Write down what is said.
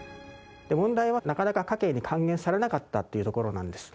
問題は、なかなか家計に還元されなかったっていうところなんです。